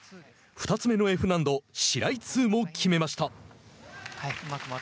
２つ目のＦ難度、シライ２も決めました。